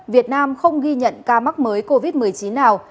việt nam không ghi nhận ca mắc mới covid một mươi chín nào